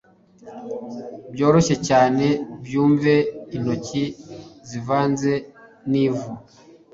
Byoroshye cyane byumve —Intoki zivanze nivu